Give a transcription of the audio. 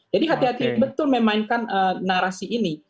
jadi hati hati betul memainkan narasi ini